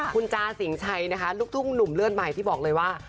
คุณจาสิงชัยนะคะลูกทุ่งหนุ่มเลือดใหม่ที่บอกเลยว่า